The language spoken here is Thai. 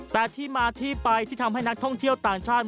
แต่ที่มาที่ไปที่ทำให้นักท่องเที่ยวต่างชาติ